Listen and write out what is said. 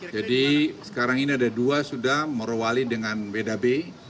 jadi sekarang ini ada dua sudah morowali dengan wdb